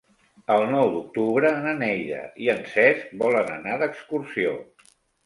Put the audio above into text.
El nou d'octubre na Neida i en Cesc volen anar d'excursió.